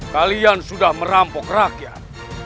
kalian sudah merampok rakyat